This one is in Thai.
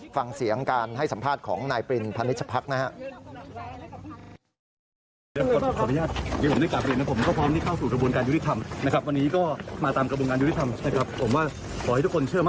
ฟังเสียงการให้สัมภาษณ์ของนายปริญตพันธ์วิชาภักดิ์นะฮะ